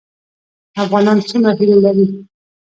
افغانان څومره هیلې لري؟